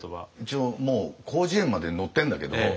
一応もう「広辞苑」まで載ってんだけど。